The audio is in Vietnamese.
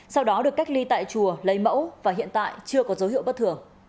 sau đó được cách ly tại chùa lấy mẫu và hiện tại chưa có dấu hiệu bất thường